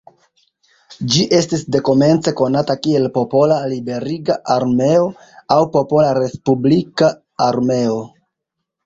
Ĝi estis dekomence konata kiel "Popola Liberiga Armeo" aŭ "Popola Respublika Armeo".